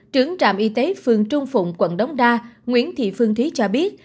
trướng trạm y tế phường trung phụng quận đống đa nguyễn thị phương thí cho biết